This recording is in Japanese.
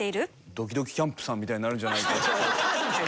どきどきキャンプさんみたいになるんじゃないか。